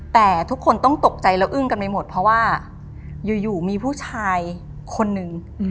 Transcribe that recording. แต่ทุกคนต้องตกใจและอึ้งกันไปหมดเพราะว่าอยู่มีผู้ชายคนนึง